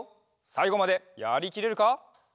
さいごまでやりきれるか？